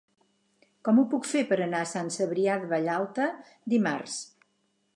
Com ho puc fer per anar a Sant Cebrià de Vallalta dimarts?